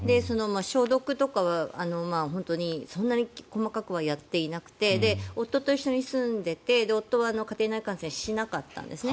消毒とかは本当にそんなに細かく流行っていなくて夫と一緒に住んでいて夫は家庭内感染しなかったんです。